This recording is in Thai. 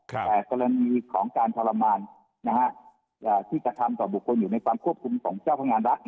แต่กรณีของการทรมานที่กระทำต่อบุคคลอยู่ในความควบคุมของเจ้าพนักงานรัฐ